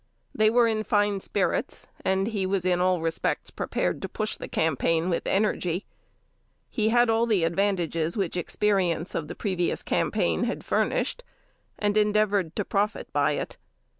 They were in fine spirits, and he was in all respects prepared to push the campaign with energy. He had all the advantages which experience of the previous campaign had furnished, and endeavored to profit by it.